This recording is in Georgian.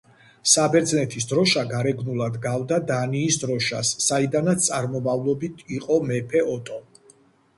საბერძნეთის დროშა გარეგნულად გავდა დანიის დროშას, საიდანაც წარმომავლობით იყო მეფე ოტო.